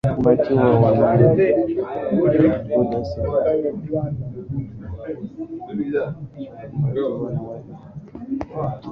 umbatiwa na mwenyeji wake nicolas sarkozy